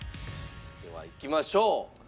ではいきましょう。